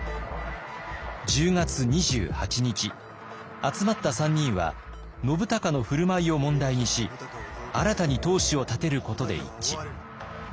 集まった３人は信孝の振る舞いを問題にし新たに当主を立てることで一致。